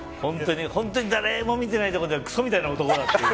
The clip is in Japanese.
本当に誰も見てないところでクソみたいな男だっていう。